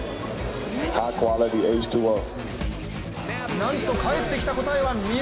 なんと返ってきた答えは水。